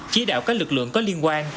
chỉ đạo các lực lượng có liên quan